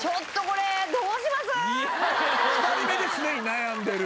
２人目ですでに悩んでる？